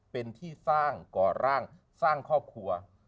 เป็นที่สร้างก่อร่างสร้างครอบครัว